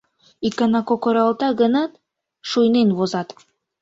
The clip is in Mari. Икана кокыралта гынат, шуйнен возат.